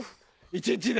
１日で。